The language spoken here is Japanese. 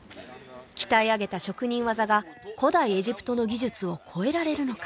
鍛え上げた職人技が古代エジプトの技術を超えられるのか？